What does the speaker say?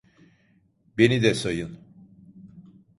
Beni de sayın.